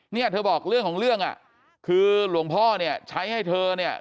เนี่ยเธอบอกเรื่องของเรื่องอ่ะคือหลวงพ่อเนี่ยใช้ให้เธอเนี่ย